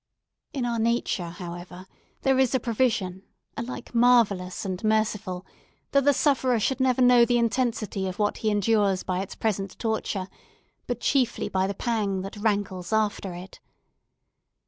In our nature, however, there is a provision, alike marvellous and merciful, that the sufferer should never know the intensity of what he endures by its present torture, but chiefly by the pang that rankles after it.